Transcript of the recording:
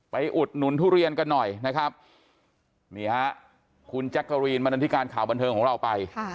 อุดหนุนทุเรียนกันหน่อยนะครับนี่ฮะคุณแจ๊กกะรีนมณันธิการข่าวบันเทิงของเราไป